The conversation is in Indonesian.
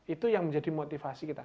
itu yang menjadi motivasi kita